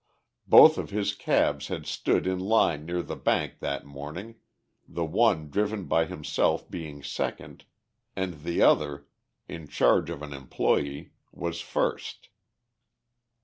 Both of his cabs had stood in line near the bank that morning, the one driven by himself being second, and the other, in charge of an employee, was first.